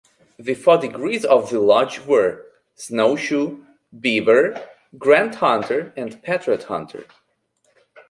The four degrees of the Lodge were: Snowshoe, Beaver, Grand Hunter and Patriot Hunter.